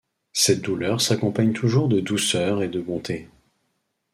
Cette douleur s'accompagne toujours de douceur et de bonté.